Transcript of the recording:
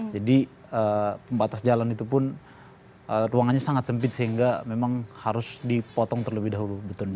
jadi pembatas jalan itu pun ruangannya sangat sempit sehingga memang harus dipotong terlebih dahulu betonnya